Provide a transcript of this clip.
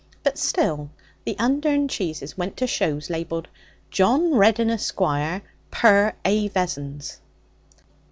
But still the Undern cheeses went to shows labelled 'John Reddin, Esquire, per A. Vessons.'